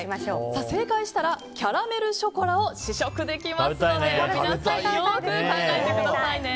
正解したらキャラメルショコラを試食できますので皆さんよく考えてくださいね。